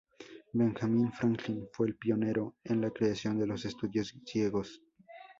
Benjamín Franklin fue el pionero en la creación de los estudios ciegos.